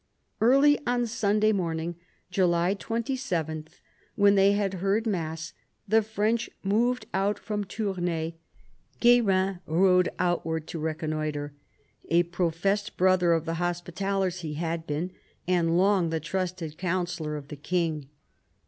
Early on Sunday morning July 27, when they had heard mass, the French moved out from Tournai. Guerin rode southwards to reconnoitre. A professed brother of the Hospitallers he had been, and long the trusted councillor of the king.